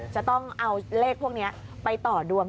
จะต้องเอาเลขพวกนี้ไปต่อดวง